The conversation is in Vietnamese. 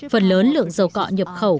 phần lớn lượng dầu cọ nhập khẩu